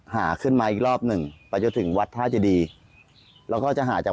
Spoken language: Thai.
หาขึ้นมาอีกรอบหนึ่งไปจนถึงวัดท่าเจดีแล้วก็จะหาจาก